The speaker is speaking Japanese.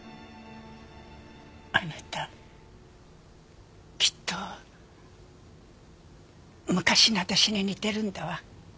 あなたきっと昔の私に似てるんだわ。